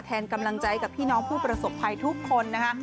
แทนกำลังใจกับพี่น้องผู้ประสบภัยทุกคนนะคะ